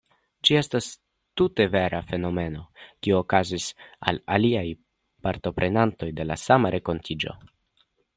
Ĝi estas tute vera fenomeno, kiu okazis al aliaj partoprenantoj de la sama renkontiĝo.